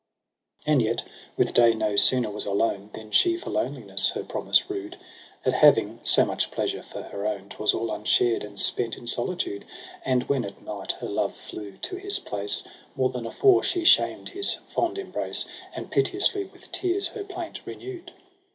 And yet with day no sooner was alone. Than she for loneliness her promise rued : That having so much pleasure for her own, 'Twas all unshared and spent in solitude. And when at night her love flew to his place, More than afore she shamed his fond embrace, And piteously with tears her plaint renew'd.